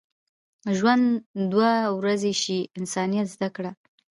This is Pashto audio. ژوند دوه ورځې شي، انسانیت زده کړه.